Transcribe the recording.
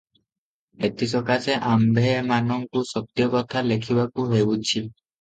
ଏଥିସକାଶେ ଆମ୍ଭେମାନଙ୍କୁ ସତ୍ୟକଥା ଲେଖିବାକୁ ହେଉଛି ।